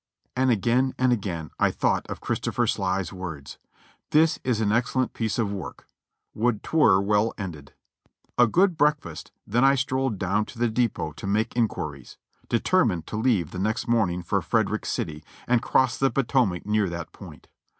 And again and again I thought of Christopher Sly's words : "This is an excellent piece of work, would 'twere well ended." A good breakfast, then I strolled down to the depot to make inquiries, determined to leave the next morning for Frederick City, and cross the Potomac near that point.